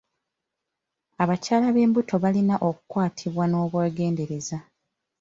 Abakyala b'embuto balina okukwatibwa n'obwegendereza.